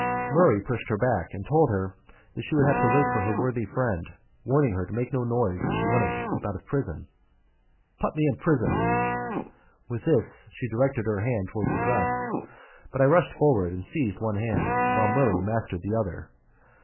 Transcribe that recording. Murray pushed her back, and told her that she would have to wait for her worthy friend, warning her to make no noise if she wanted to keep out of prison. "Put me in prison!" With this she directed her hand towards her dress, but I rushed forward and seized one hand while Murray mastered the other.